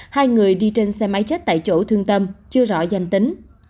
hai người đi trên xe máy chết tại chỗ thương tâm chưa rõ danh tính